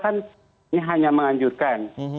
pemerintah kan hanya menganjurkan